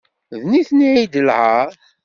D nitni ay d lɛaṛ.